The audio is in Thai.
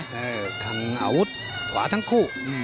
ได้คังอาวุธขวาทั้งคู่